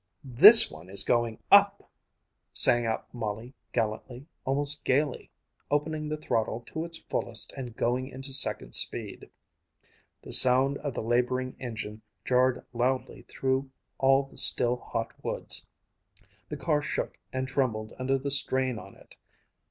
"This one is going up," sang out Molly gallantly, almost gaily, opening the throttle to its fullest and going into second speed. The sound of the laboring engine jarred loudly through all the still, hot woods; the car shook and trembled under the strain on it.